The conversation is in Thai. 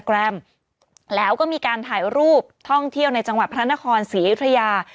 แกรมแล้วก็มีการถ่ายรูปท่องเที่ยวในจังหวัดพระนครศรีอยุธยา